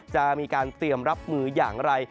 จะมีการเตรียมรับมืออย่างไร